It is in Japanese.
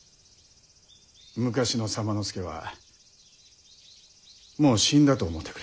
昔の左馬之助はもう死んだと思うてくれ。